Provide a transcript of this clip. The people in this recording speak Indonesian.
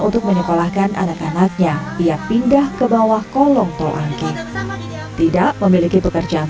untuk menyekolahkan anak anaknya ia pindah ke bawah kolong tol angki tidak memiliki pekerjaan